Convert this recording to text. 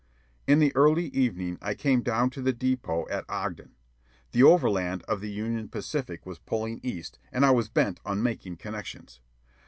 In the early evening I came down to the depot at Ogden. The overland of the Union Pacific was pulling east, and I was bent on making connections.